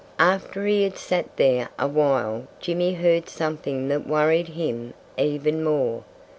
After he had sat there a while Jimmy heard something that worried him even more.